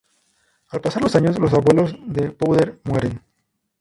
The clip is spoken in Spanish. Al pasar los años, los abuelos de Powder mueren.